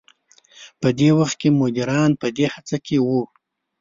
په دې وخت کې مديران په دې هڅه کې وو.